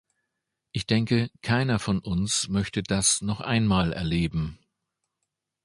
Ich denke, keiner von uns möchte das noch einmal erleben.